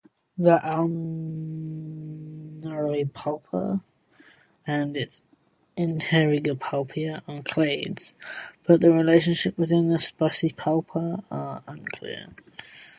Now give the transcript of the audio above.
The Annulipalpia and Integripalpia are clades, but the relationships within the Spicipalpia are unclear.